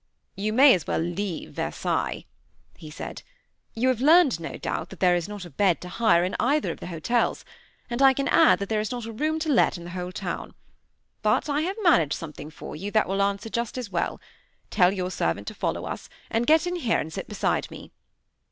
"You may as well leave Versailles," he said; "you have learned, no doubt, that there is not a bed to hire in either of the hotels; and I can add that there is not a room to let in the whole town. But I have managed something for you that will answer just as well. Tell your servant to follow us, and get in here and sit beside me."